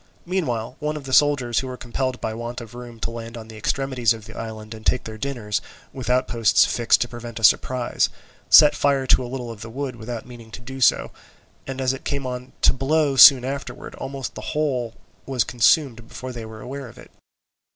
Meanwhile, one of the soldiers who were compelled by want of room to land on the extremities of the island and take their dinners, with outposts fixed to prevent a surprise, set fire to a little of the wood without meaning to do so; and as it came on to blow soon afterwards, almost the whole was consumed before they were aware of it.